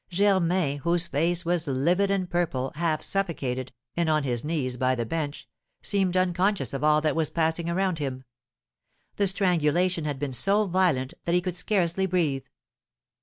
Germain, whose face was livid and purple, half suffocated, and on his knees by the bench, seemed unconscious of all that was passing around him. The strangulation had been so violent that he could scarcely breathe.